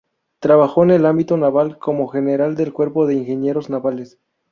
Trabajó en el ámbito naval, como general del cuerpo de ingenieros navales.